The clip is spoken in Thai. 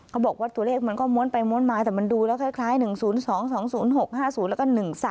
เขาบอกว่าตัวเลขมันก็ม้วนไปม้วนมาแต่มันดูแล้วคล้าย๑๐๒๒๐๖๕๐แล้วก็๑๓